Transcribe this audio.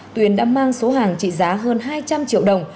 tuyền đã mang số hàng trị giá hơn hai trăm linh triệu đồng